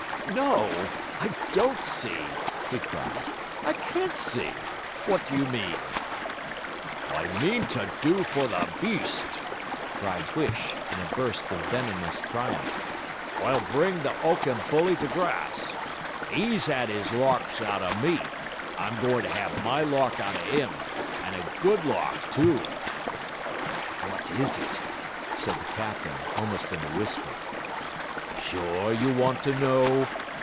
'No, I don't see,' he cried, 'I can't see. What do you mean?' 'I mean to do for the Beast!' cried Huish, in a burst of venomous triumph. 'I'll bring the 'ulkin' bully to grass. He's 'ad his larks out of me; I'm goin' to 'ave my lark out of 'im, and a good lark too!' 'What is it?' said the captain, almost in a whisper. 'Sure you want to know?'